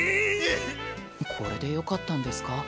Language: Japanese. これでよかったんですか？